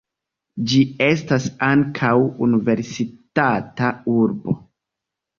Ĝi estas ankaŭ universitata urbo.